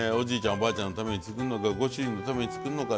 おばあちゃんのために作んのかご主人のために作るのか。